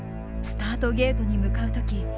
スタートゲートに向かう時